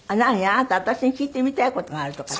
あなた私に聞いてみたい事があるとかって。